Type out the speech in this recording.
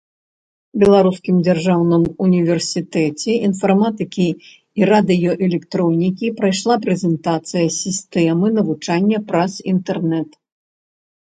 Беларускім дзяржаўным універсітэце інфарматыкі і радыёэлектронікі прайшла прэзентацыя сістэмы навучання праз інтэрнэт.